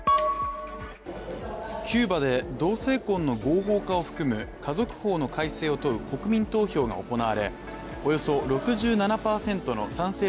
キューバで同性婚の合法化を含む家族法の改正を問う国民投票が行われ、およそ６７％の賛成